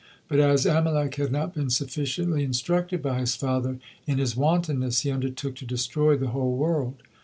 But as Amalek had not been sufficiently instructed by his father, in his wantonness he undertook to destroy the whole world.